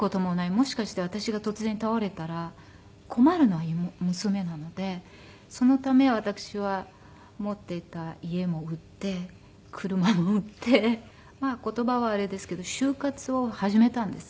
もしかして私が突然倒れたら困るのは娘なのでそのため私は持っていた家も売って車も売ってまあ言葉はあれですけど終活を始めたんです。